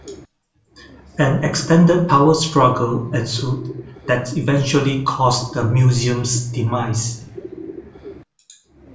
An extended power struggle ensued that eventually caused the museum's demise.